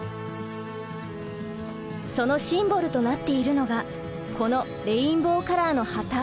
そのシンボルとなっているのがこのレインボーカラーの旗。